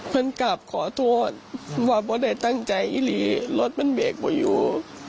ผมกลับขอโทษว่าไม่ได้ตั้งใจอีกหรือรถมันเบรกไม่อยู่